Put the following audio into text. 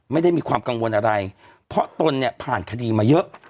ไม่ได้มีความกังวลอะไรเพราะตนเนี่ยผ่านคดีมาเยอะ